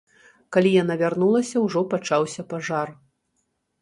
Калі яна вярнулася, ужо пачаўся пажар.